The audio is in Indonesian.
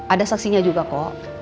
ada saksinya juga kok